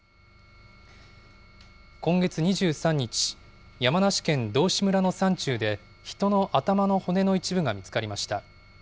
今月２３日、山梨県道志村の山中で、人の頭の骨の一部が見つかりました。